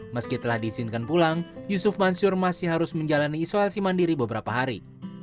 meski telah diizinkan pulang yusuf mansur masih harus menjalani isolasi mandiri beberapa hari